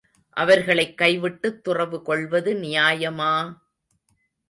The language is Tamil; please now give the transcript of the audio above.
அவர்களைக் கைவிட்டுத் துறவு கொள்வது நியாயமா!